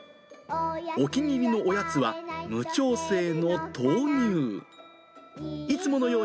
お気に入りのおやつは、無調整の豆乳。